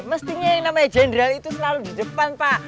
mestinya yang namanya jenderal itu selalu di depan pak